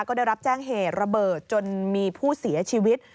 ก็ได้รับแจ้งเหตุระเบิดจนมีผู้เสียชีวิต